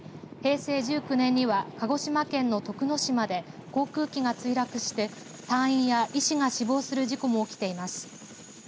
平成１９年には鹿児島県の徳之島で航空機が墜落して隊員や医師が死亡する事故も起きています。